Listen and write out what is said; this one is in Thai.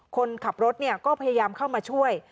คนขับรถก็พยายามเข้ามาช่วย